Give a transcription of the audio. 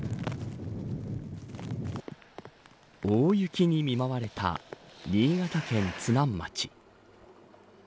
大雪に見舞われた新潟県津南町。